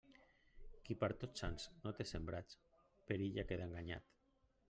Qui per Tots Sants no té sembrats, perilla quedar enganyat.